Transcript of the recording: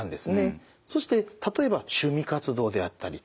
そして例えば趣味活動であったりと。